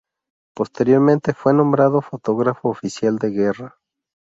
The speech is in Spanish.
Posteriormente fue nombrado fotógrafo oficial de guerra.